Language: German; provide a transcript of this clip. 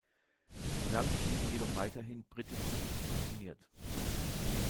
Im Land blieben jedoch weiterhin britische Truppen stationiert.